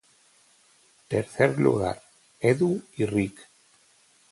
Tercer lugar: Edu y Rick.